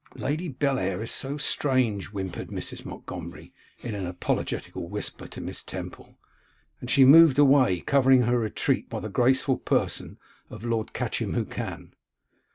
'Lady Bellair is so strange,' whimpered Mrs. Montgomery, in an apologetical whisper to Miss Temple, and she moved away, covering her retreat by the graceful person of Lord Catchimwhocan.